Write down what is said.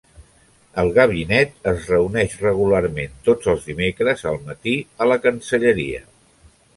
El gabinet es reuneix regularment tots els dimecres al matí a la Cancelleria.